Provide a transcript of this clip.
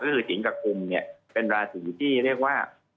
ก็คือสิงกับกุมเนี่ยเป็นราศีที่เรียกว่า